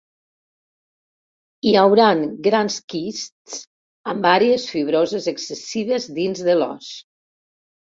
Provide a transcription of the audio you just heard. Hi hauran grans quists amb àrees fibroses excessives dins de l'os.